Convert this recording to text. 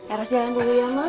harus jalan dulu ya mak